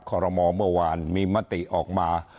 ขอรมอเมื่อวานมีมติออกมา